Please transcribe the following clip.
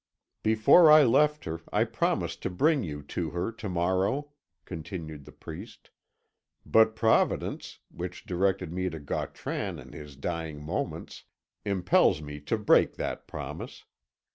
"Before I left her I promised to bring you to her tomorrow," continued the priest, "but Providence, which directed me to Gautran in his dying moments, impels me to break that promise.